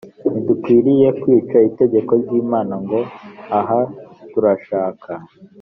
ntidukwiriye kwica itegeko ry imana ngo aha turashaka